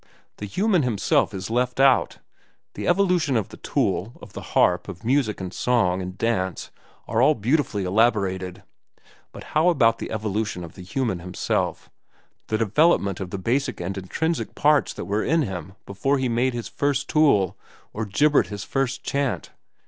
The human himself is left out. The evolution of the tool, of the harp, of music and song and dance, are all beautifully elaborated; but how about the evolution of the human himself, the development of the basic and intrinsic parts that were in him before he made his first tool or gibbered his first chant?